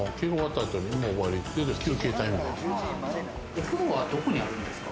お風呂はどこにあるんですか？